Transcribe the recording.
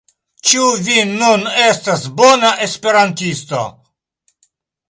Ĉu vi nun estas bona Esperantisto?